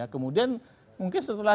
kemudian mungkin setelah